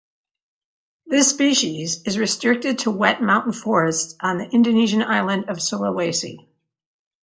This species is restricted to wet mountain forests on the Indonesian island of Sulawesi.